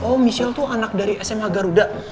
oh michelle itu anak dari sma garuda